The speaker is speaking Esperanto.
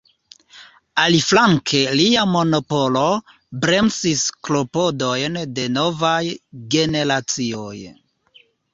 Aliflanke lia monopolo bremsis klopodojn de novaj generacioj.